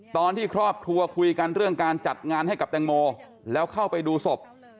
ตอนที่ครอบครัวคุยกันเรื่องการจัดงานให้กับแตงโมแล้วเข้าไปดูศพ